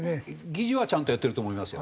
議事はちゃんとやってると思いますよ。